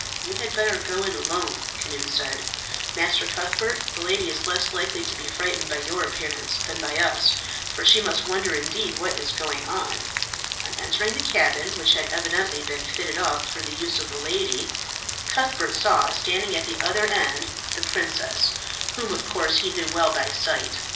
"You had better go in alone," Cnut said, "Master Cuthbert. The lady is less likely to be frightened by your appearance than by us, for she must wonder indeed what is going on." On entering the cabin, which had evidently been fitted up for the use of a lady, Cuthbert saw standing at the other end the princess whom of course he knew well by sight.